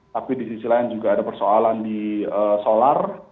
tapi di sisi lain juga ada persoalan di solar